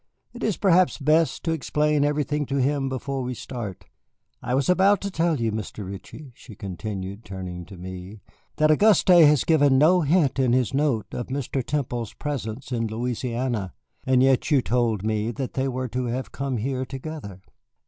"It is perhaps best to explain everything to him before we start. I was about to tell you, Mr. Ritchie," she continued, turning to me, "that Auguste has given no hint in his note of Mr. Temple's presence in Louisiana. And yet you told me that they were to have come here together."